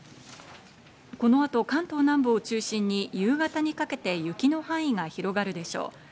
この後、関東南部を中心に夕方にかけて雪の範囲が広がるでしょう。